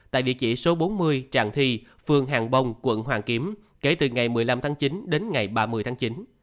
tại địa chỉ số bốn mươi tràng thi phường hàng bông quận hoàn kiếm kể từ ngày một mươi năm tháng chín đến ngày ba mươi tháng chín